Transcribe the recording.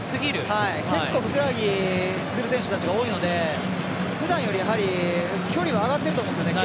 結構、ふくらはぎをつる選手たちが多いので、ふだんより距離は上がっていると思うんですよね。